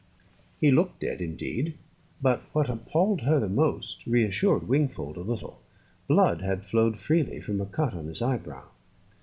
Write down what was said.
He looked dead indeed; but what appalled her the most reassured Wingfold a little: blood had flowed freely from a cut on his eyebrow.